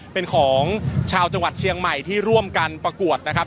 เป็นของชาวจังหวัดเชียงใหม่ที่ร่วมกันประกวดนะครับ